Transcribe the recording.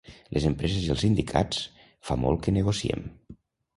Les empreses i els sindicats fa molt que negociem.